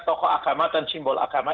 tokoh agama dan simbol agama